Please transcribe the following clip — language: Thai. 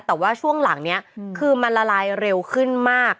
แต่ว่าช่วงหลังนี้คือมันละลายเร็วขึ้นมาก